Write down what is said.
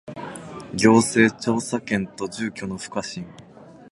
行政調査権と住居の不可侵